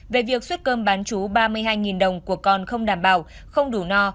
về việc xuất cơm bán chú ba mươi hai đồng của con không đảm bảo không đủ no